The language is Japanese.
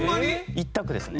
一択ですね。